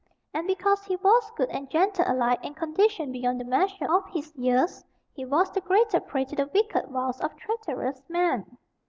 And because he was good and gentle alike and conditioned beyond the measure of his years, he was the greater prey to the wicked wiles of traitorous men.